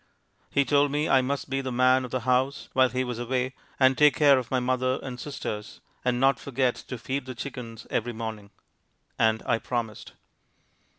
He told me I must be the man of the house while he was away, and take care of my mother and sisters, and not forget to feed the chickens every morning; and I promised.